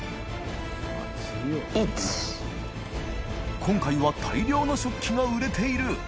禳２鵑大量の食器が売れている森川）